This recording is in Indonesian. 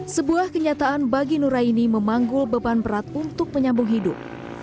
sebuah kenyataan bagi nuraini memanggul beban berat untuk menyambung hidup